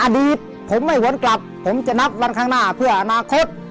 อดีตผมไม่วนกลับผมจะนับวันข้างหน้าเพื่ออนาคต